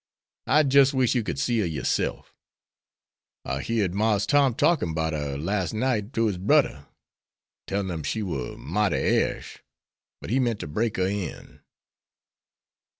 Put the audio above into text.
I'd jis' wish you could see her yoresef. I heerd Marse Tom talkin' 'bout her las' night to his brudder; tellin' him she war mighty airish, but he meant to break her in."